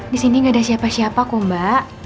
di sini nggak ada siapa siapa kok mbak